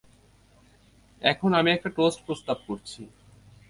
এখন, আমি একটা টোস্ট প্রস্তাব করছি।